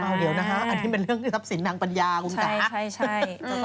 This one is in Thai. เอาเดี๋ยวนะฮะอันนี้เป็นเรื่องที่ทับสินทางปัญญาอุงกะ